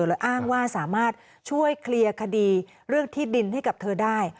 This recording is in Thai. และอ้างว่าสามารถช่วยเคลียร์คดีเรื่องที่ดินให้กับเธอได้